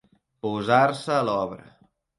Posar-se a l'obra.